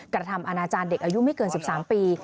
กระทำอนาจารย์เด็กอายุไม่เกิน๑๓ปี